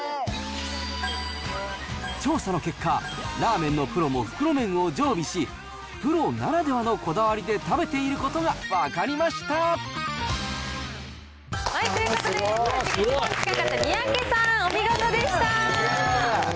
調査の結果、ラーメンのプロも袋麺を常備し、プロならではのこだわりで食べてということで、一番近かった三宅さん、お見事でした。